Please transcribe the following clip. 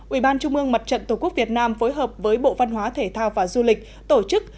ubnd tổ quốc việt nam phối hợp với bộ văn hóa thể thao và du lịch tổ chức